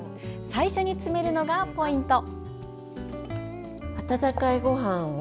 最初に詰めるのがポイント！